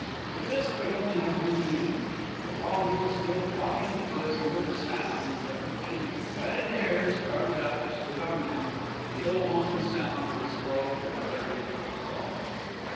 If this could only have been the end! But, while he was still throbbing with bliss, he heard a sound, at which his "bedded hair" started up and stood on end the ill omened sound of a slow and heavy footfall.